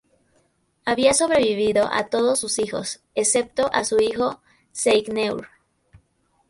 Había sobrevivido a todos sus hijos, excepto a su hijo Seigneur.